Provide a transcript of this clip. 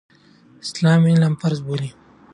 اسلام علم فرض بولي.